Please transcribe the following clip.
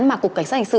mà cục cảnh sát hành sự